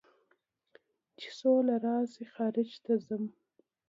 چې سوله راشي خارج ته ځم